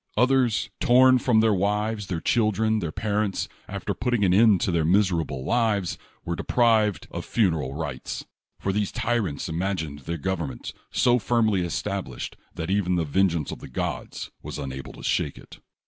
Others, torn from their wives, their children, their parents, after putting an end to their miserable lives, were deprived of funeral rites; for these tyrants imagined their government so firmly established that even the vengeance of the gods was unable to shako it.